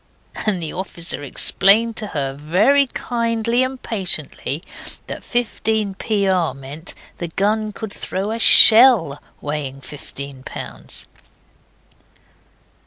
And the officer explained to her very kindly and patiently that 15 Pr. meant the gun could throw a SHELL weighing fifteen pounds.